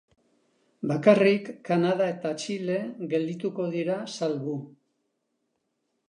Bakarrik Kanada eta Txile geldituko dira salbu.